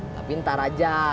tapi ntar aja